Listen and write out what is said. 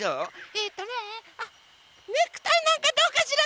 えっとねあっネクタイなんかどうかしら？